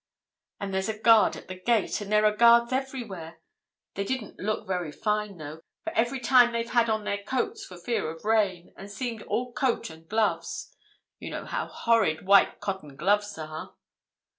And there's a guard at the gate, and there are guards everywhere. They didn't look very fine, though, for every time they've had on their coats for fear of rain, and seemed all coat and gloves. You know how horrid white cotton gloves are?"